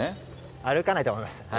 歩かないと思いますね。